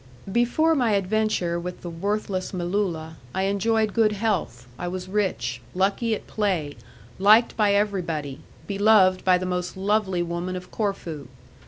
Before my adventure with the worthless Melulla, I enjoyed good health, I was rich, lucky at play, liked by everybody, beloved by the most lovely woman of Corfu.